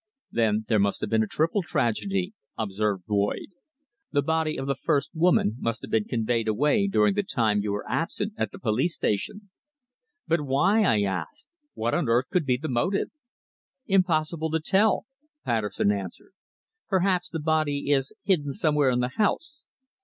"Then there has been a triple tragedy," observed Boyd. "The body of the first woman must have been conveyed away during the time you were absent at the police station." "But why?" I asked. "What on earth could be the motive?" "Impossible to tell," Patterson answered. "Perhaps the body is hidden somewhere in the house."